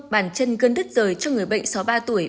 bàn chân gân đất rời cho người bệnh sáu mươi ba tuổi